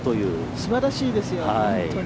すばらしいですよ、本当に。